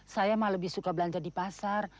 saya mah lebih suka belanja di pasar